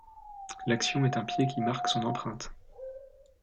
L’action est un pied qui marque son empreinte.